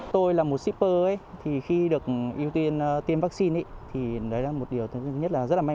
tôi là một shipper ấy thì khi được ưu tiên tiêm vaccine thì đấy là một điều thứ nhất là rất là may